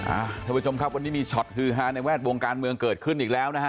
ท่านผู้ชมครับวันนี้มีช็อตฮือฮาในแวดวงการเมืองเกิดขึ้นอีกแล้วนะฮะ